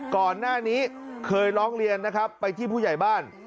ก่อนหน้านี้เคยร้องเรียนนะครับไปที่ผู้ใหญ่บ้าน